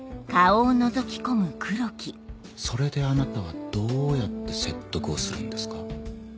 それであなたはどうやって説得をするんですか？